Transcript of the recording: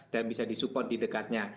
dan bisa disupport di dekatnya